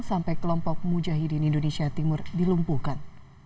sampai kelompok mujahidin indonesia timur dilumpuhkan